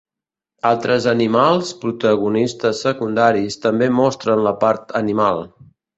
Altres animals, protagonistes secundaris, també mostren la part animal.